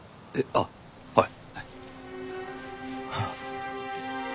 あっはい。